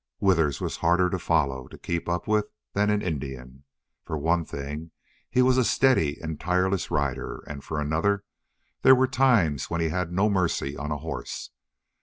Withers was harder to follow, to keep up with, than an Indian. For one thing he was a steady and tireless rider, and for another there were times when he had no mercy on a horse.